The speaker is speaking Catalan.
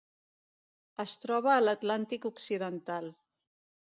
Es troba a l'Atlàntic occidental: